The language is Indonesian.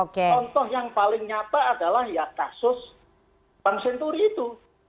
contoh yang paling nyata adalah kasus bang senturi itu